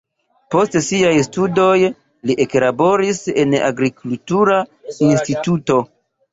Post siaj studoj li eklaboris en agrikultura instituto.